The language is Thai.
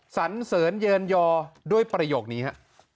สันเสริญเยินยอด้วยประโยคนี้ฮะ